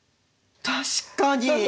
確かに！